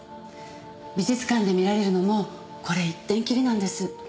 美術館で見られるのもこれ一点きりなんです。